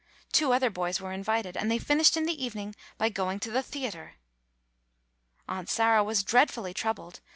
Two other boys were invited, and they finished in the evening by going to the theatre. Aunt Sarah was dreadfully troubled.